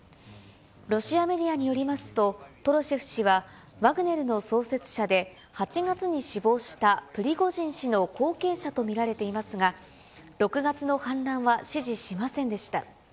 ロシアメディアによりますと、トロシェフ氏は、ワグネルの創設者で、８月に死亡したプリゴジン氏の後継者と見られていますが、６月の反乱は支持しませんでした。